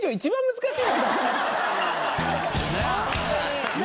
難しい。